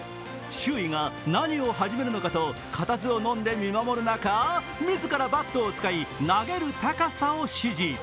周囲が何を始めるのかとを固唾をのんで見守る中、自らバットを使い、投げる高さを指示。